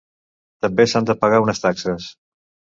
També s'han de pagar unes taxes.